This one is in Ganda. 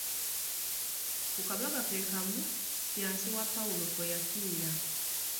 Ku kabaga keekamu, `fiance' wa Pawulo kwe yafiira.